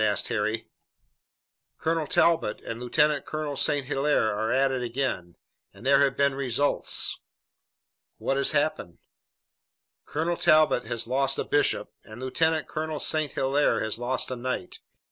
asked Harry. "Colonel Talbot and Lieutenant Colonel St. Hilaire are at it again, and there have been results!" "What has happened?" "Colonel Talbot has lost a bishop and Lieutenant Colonel St. Hilaire has lost a knight.